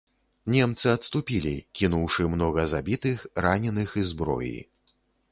Немцы адступілі, кінуўшы многа забітых, раненых і зброі.